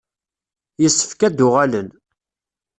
Yessefk ad d-uɣalen.